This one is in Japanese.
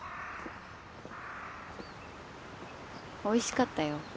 おいしかったよ